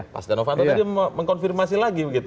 pas danofato tadi mengkonfirmasi lagi begitu